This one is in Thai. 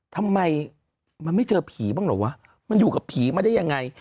ทำไมมันไม่เจอผีบ้างเหรอวะมันอยู่กับผีมาได้ยังไง